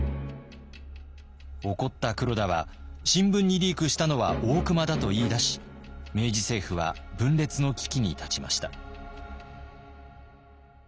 怒った黒田は新聞にリークしたのは大隈だと言いだし明治政府は分裂の危機に立ちました。